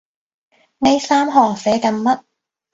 呢三行寫緊乜？